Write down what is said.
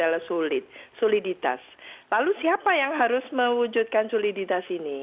lalu siapa yang harus mewujudkan sulititas ini